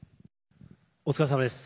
お疲れさまです。